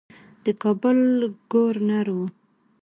د کابل ګورنر وو.